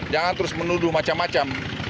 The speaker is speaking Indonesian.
jangan terus menuduh macam macam